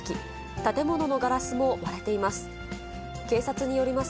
建物のガラスも割れています。